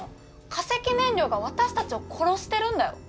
化石燃料が私たちを殺してるんだよ？